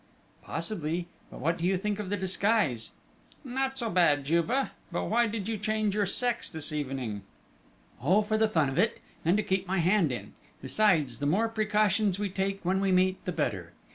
"Possibly! But what do you think of the disguise?" "Not so bad, Juve; but why did you change your sex this evening?" "Oh, for the fun of it, and to keep my hand in ... besides, the more precautions we take when we meet, the better.